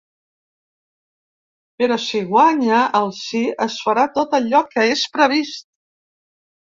Però si guanya el sí es farà tot allò que és previst.